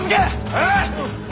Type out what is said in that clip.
はっ！